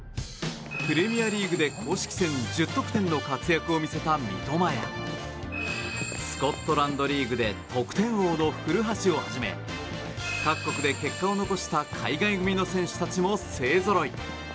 プレミアリーグで公式戦１０得点の活躍を見せた三笘やスコットランドリーグで得点王の古橋をはじめ各国で結果を残した海外組の選手も勢ぞろい。